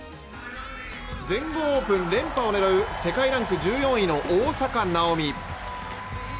全豪オープン連覇を狙う世界ランク１４位の大坂なおみ。